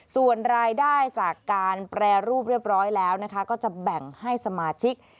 ส่วนรายได้จากการแปรรูปเรียบร้อยแล้วนะคะก็จะแบ่งให้สมาชิก